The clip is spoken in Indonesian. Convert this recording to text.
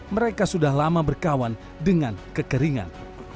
mereka sudah lama berkawan dengan kekeringan